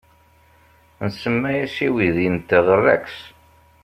Nsemma-as i weydi-nteɣ Rex.